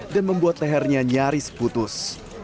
dan membuat lehernya nyaris putus